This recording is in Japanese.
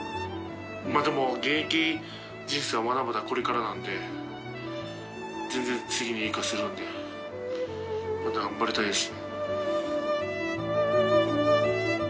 まぁでも現役人生はまだまだこれからなんで全然次に生かせるんでまた頑張りたいです